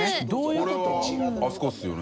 これはあそこですよね？